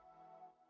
mudah murah dan aman